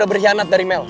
udah berhianat dari mel